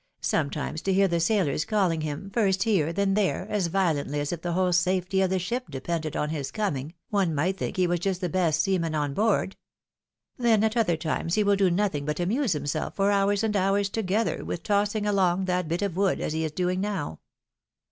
Sometimes to hear the sailors caUing Mm, fcst here, then there, as violently i>2 52 THE WIDOW MARRIED. as if the whole safety of the ship depended on his coming, one might think he was just the best seaman on board. Then at other times he will do nothing but amuse himself for hours and hours together with tossing along that bit of wood, as he is doing now.